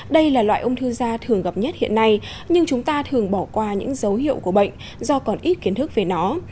đây là loại ung thư da thường gặp nhất hiện nay nhưng chúng ta thường bỏ qua những dấu hiệu của bệnh do còn ít kiến thức về nó